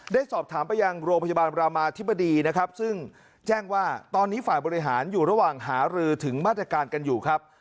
ได้สอบถามไปยังโรงพยาบาลรามาธิบดีนะครับซึ่งแจ้งว่าตอนนี้ฝ่ายบริหารอยู่ระหว่างหารือถึงมาตรการกันอยู่ครับ